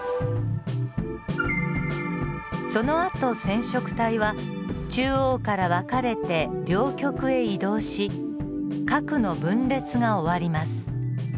そのあと染色体は中央から分かれて両極へ移動し核の分裂が終わります。